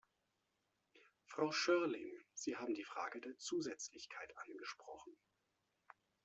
Frau Schörling, Sie haben die Frage der Zusätzlichkeit angesprochen.